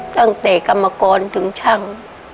ตั้งแต่กรรมกรถึงช่าง